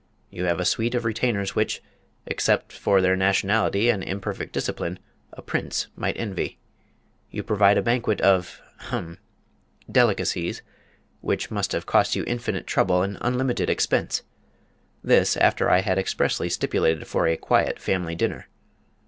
You have a suite of retainers which (except for their nationality and imperfect discipline) a prince might envy. You provide a banquet of hem! delicacies which must have cost you infinite trouble and unlimited expense this, after I had expressly stipulated for a quiet family dinner!